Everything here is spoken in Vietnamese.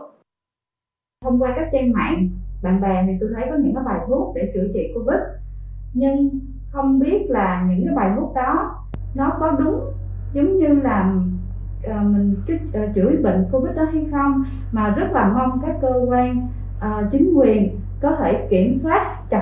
thông qua các trang mạng bạn bè tôi thấy có những bài thuốc để chữa trị covid một mươi chín